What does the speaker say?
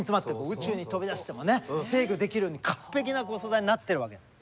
宇宙に飛び出しても制御できるように完璧な素材になってるわけです。